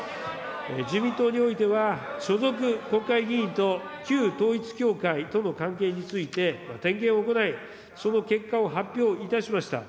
自民党においては、所属国会議員と旧統一教会との関係について、点検を行い、その結果を発表いたしました。